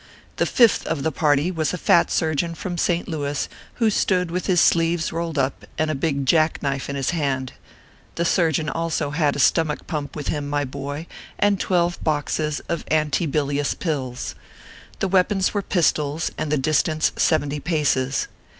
The fifth of the party was a fat surgeon from St. Louis, who stood with his sleeves rolled up and a big jack knife in his ORPHEUS C. KERR PAPERS. 161 hand. The surgeon also had a stomach pump with him, my boy, and twelve boxes of anti bilious pills. The weapons were pistols, and the distance seventy paces.